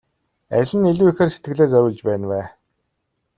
Аль нь илүү ихээр сэтгэлээ зориулж байна вэ?